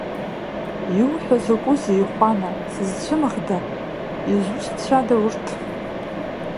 Иуҳәо закәызеи, Хәана, сызцәымӷда, изусҭцәада урҭ?